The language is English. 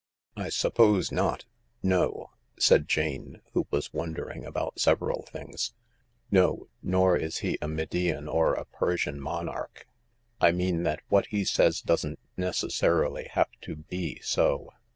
" I suppose not— no," said Jane, who was wondering about several things. " No ■ nor is he a Median or a Persian monarch. I mean that what he says doesn't necessarily have to be so.